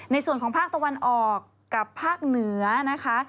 ในส่วนของภาคตะวันออกกับภาคเหนือนะคะ